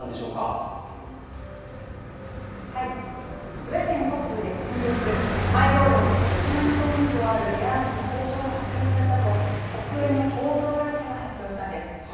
スウェーデン北部で今月埋蔵量が１００万トン以上あるレアアースの鉱床が発見されたと国営の鉱業会社が発表したんです。